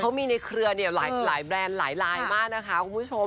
เขามีในเครือเนี่ยหลายแบรนด์หลายลายมากนะคะคุณผู้ชม